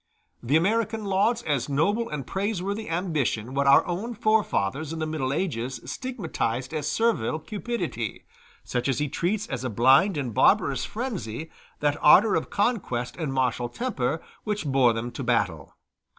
The American lauds as a noble and praiseworthy ambition what our own forefathers in the Middle Ages stigmatized as servile cupidity, just as he treats as a blind and barbarous frenzy that ardor of conquest and martial temper which bore them to battle.